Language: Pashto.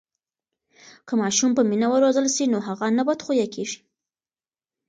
که ماشوم په مینه و روزل سي نو هغه نه بدخویه کېږي.